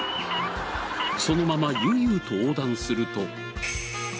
そのまま悠々と横断すると。